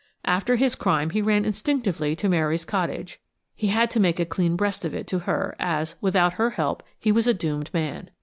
After his crime he ran instinctively to Mary's cottage. He had to make a clean breast of it to her, as, without her help, he was a doomed man.